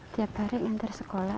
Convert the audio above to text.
tiap hari ngantar sekolah